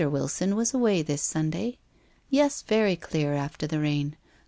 Wilson was away this Sunday. Yes, very clear after the rain.